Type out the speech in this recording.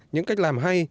những cách làm hay